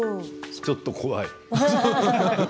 ちょっと怖い。